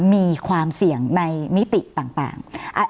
มีความเสี่ยงในมิติต่าง